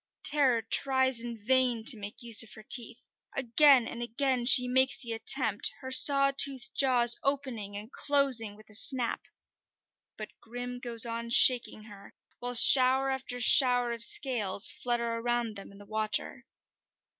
Terror tries in vain to make use of her teeth. Again and again she makes the attempt, her saw toothed jaws opening and closing with a snap. But Grim goes on shaking her, while shower after shower of scales flutter around them in the water.